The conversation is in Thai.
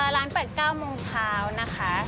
ร้าน๘๙โมงเช้านะคะ